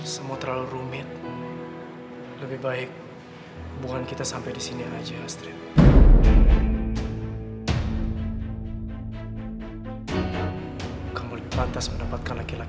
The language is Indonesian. sampai jumpa di video selanjutnya